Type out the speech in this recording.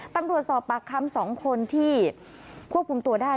ตำรวจสอบปากคำ๒คนที่ควบคุมตัวได้